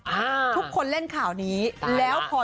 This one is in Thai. อ่าทุกคนเล่นข่าวนี้ตายแล้ว